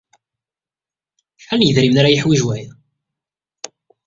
Acḥal n yidrimen ara yeḥwij waya?